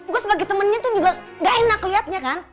gue sebagai temennya tuh juga ga enak liatnya kan